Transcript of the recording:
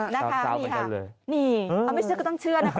นี่ครับเอาไม่เชื่อก็ต้องเชื่อนะครับ